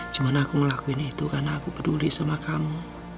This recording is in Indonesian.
gimana aku ngelakuin itu karena aku peduli sama kamu